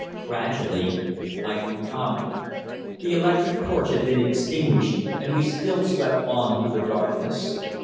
Gradually I grew calmer. The electric torch had been extinguished and we still swept on through the darkness.